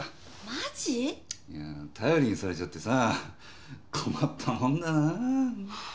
マジ⁉頼りにされちゃってさ困ったもんだな。